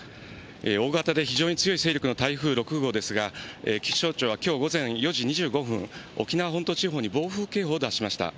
大型で非常に強い勢力の台風６号ですが、気象庁はきょう午前４時２５分、沖縄本島地方に暴風警報を出しました。